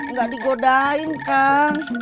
nggak digodain kang